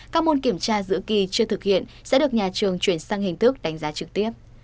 các môn kiểm tra giữa kỳ chưa thực hiện sẽ được nhà trường chuyển sang hình thức đánh giá trực tiếp